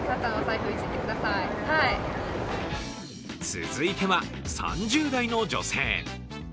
続いては３０代の女性。